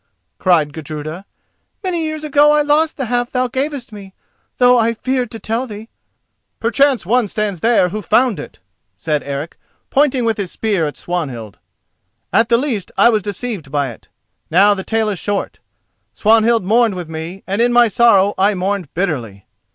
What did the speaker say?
cried Gudruda; "many years ago I lost the half thou gavest me, though I feared to tell thee." "Perchance one stands there who found it," said Eric, pointing with his spear at Swanhild. "At the least I was deceived by it. Now the tale is short. Swanhild mourned with me, and in my sorrow I mourned bitterly.